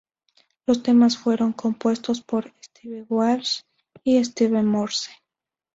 Los temas fueron compuestos por Steve Walsh y Steve Morse.